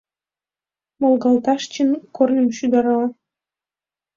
Волгалташ чын корным шӱдырла.